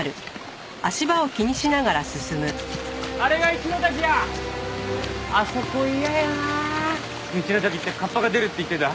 一の滝って河童が出るって言ってた？